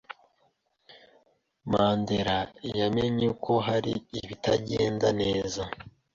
Mandera yamenye ko hari ibitagenda neza.